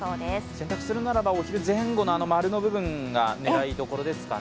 洗濯するならばお昼前後の○の部分が狙いどころですかね。